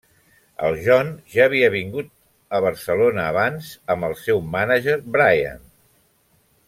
El John ja havia vingut a Barcelona abans amb el seu mànager Brian.